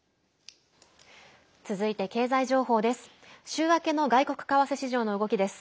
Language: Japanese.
続いて、経済情報です。